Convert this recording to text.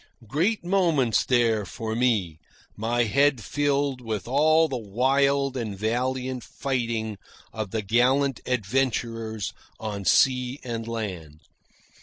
Great moments, these, for me, my head filled with all the wild and valiant fighting of the gallant adventurers on sea and land.